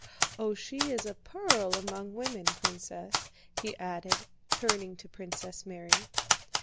Oh, she is a pearl among women, Princess," he added, turning to Princess Mary.